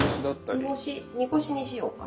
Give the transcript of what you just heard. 煮干しにしようか。